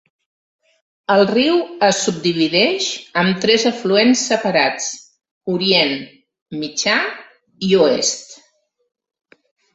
El riu es subdivideix amb tres afluents separats: Orient, Mitjà i Oest.